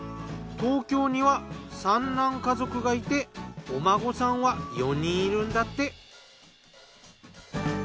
東京には三男家族がいてお孫さんは４人いるんだって。